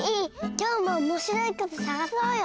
今日もおもしろいことさがそうよ！